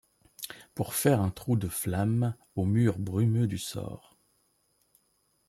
Pour faire un trou de flamme au mur brumeux du sort !